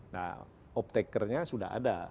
nah uptakernya sudah ada